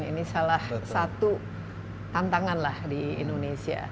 ini salah satu tantangan lah di indonesia